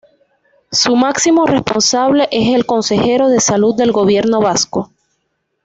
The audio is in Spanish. Su máximo responsable es el consejero de Salud del Gobierno Vasco.